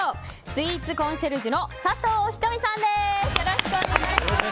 スイーツコンシェルジュの佐藤ひと美さんです。